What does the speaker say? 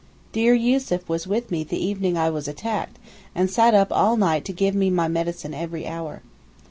Dear Yussuf was with me the evening I was attacked, and sat up all night to give me my medicine every hour.